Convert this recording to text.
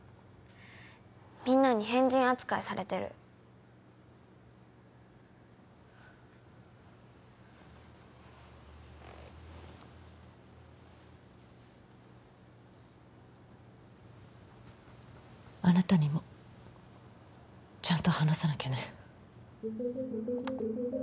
みんなに変人扱いされてるあなたにもちゃんと話さなきゃね